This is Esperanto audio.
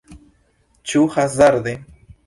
Ĉu hazarde?